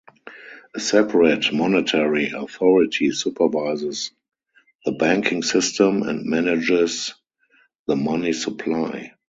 A separate Monetary Authority supervises the banking system and manages the money supply.